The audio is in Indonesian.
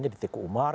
di teku umar